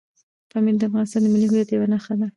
پامیر د افغانستان د ملي هویت یوه نښه ده.